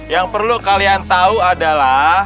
yang perlu kalian tahu adalah